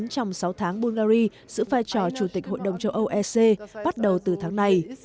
trong sáu tháng bulgari giữ vai trò chủ tịch hội đồng châu âu ec bắt đầu từ tháng này